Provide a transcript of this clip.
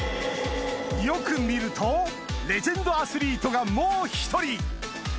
よく見るとレジェンドアスリートがもう１人！